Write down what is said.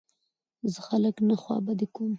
زه خلک نه خوابدي کوم.